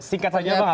singkat saja apa